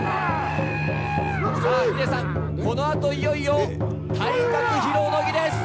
ヒデさん、このあといよいよ、体格披露の儀です。